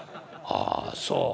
「ああそう」。